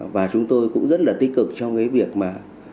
và chúng tôi cũng rất là tích cực trong cái việc mà